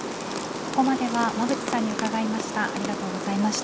ここまでは馬渕さんに伺いました。